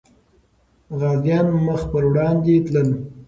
غازيان مخ پر وړاندې تلل.